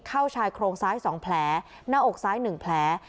เข้าชายโครงซ้ายสองแผลหน้าอกซ้ายหนึ่งแผล